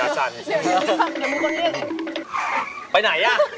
ขอโทษนะ